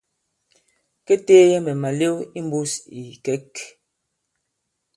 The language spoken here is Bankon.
Kê teeyɛ mɛ̀ màlew i mbūs ì ìkɛ̌k.